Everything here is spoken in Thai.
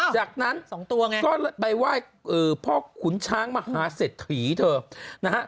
จากนั้นก็ไปไหว้พ่อขุนช้างมหาเสร็จถีเถอะ